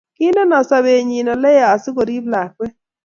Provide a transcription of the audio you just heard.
kindeno sobenyi oleyaa asigoriip lakwet